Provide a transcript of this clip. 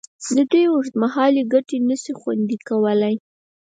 د دوی اوږدمهالې ګټې نشي خوندي کولې.